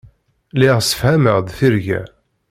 Lliɣ ssefhameɣ-d tirga.